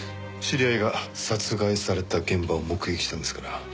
知り合いが殺害された現場を目撃したんですから。